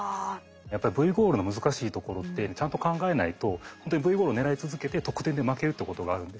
やっぱりＶゴールの難しいところってちゃんと考えないと本当にＶゴール狙い続けて得点で負けるってことがあるんですね。